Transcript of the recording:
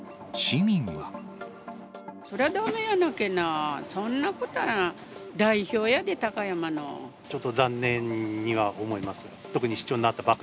それはだめやけな、そんなことは代表やで、ちょっと残念には思います。